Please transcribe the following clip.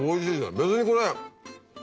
別にこれ。